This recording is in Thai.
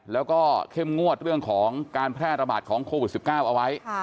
แล้วก็เข้มงวดเรื่องของการแพร่ระบาดของโควิด๑๙เอาไว้